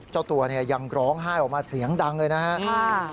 เจ้าตัวเนี่ยยังร้องไห้ออกมาเสียงดังเลยนะครับ